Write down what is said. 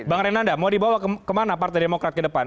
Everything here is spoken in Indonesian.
bang renanda mau dibawa kemana partai demokrat ke depan